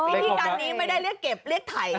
วิธีการนี้ไม่ได้เรียกเก็บเรียกไถ่